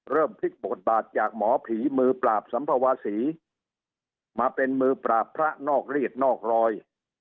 พลิกบทบาทจากหมอผีมือปราบสัมภเวษีมาเป็นมือปราบพระนอกรีดนอกรอย